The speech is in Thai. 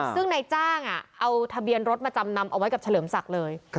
ซึ่งนายจ้างเอาทะเบียนรถมาจำนำเอาไว้กับเฉลิมศักดิ์เลย